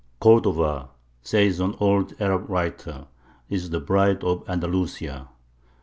"Cordova," says an old Arab writer, "is the Bride of Andalusia.